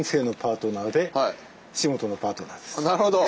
なるほど。